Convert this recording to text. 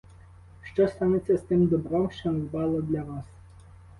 Що станеться з тим добром, що надбала для вас?